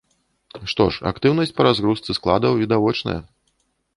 Што ж, актыўнасць па разгрузцы складаў відавочная.